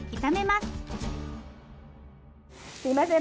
すいません